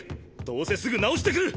どうせすぐ治してくる！